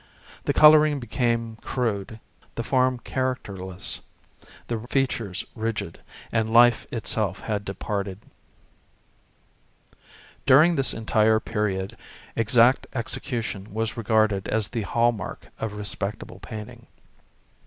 The colouring became crude, the form characterless, the features rigid, and life itself had departed. During this entire period exact execution was regarded as the hallmark of respectable painting.